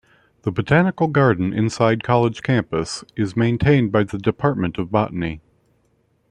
The Botanical Garden inside college campus is maintained by the Department of Botany.